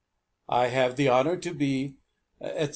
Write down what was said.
I have the honor to be, etc.